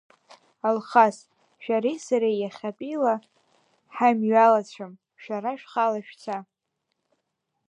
Алхас, шәареи сареи иахьатәила, ҳаимҩалацәам, шәара шәхала шәца.